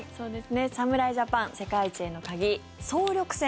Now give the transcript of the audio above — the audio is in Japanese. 侍ジャパン、世界一への鍵総力戦。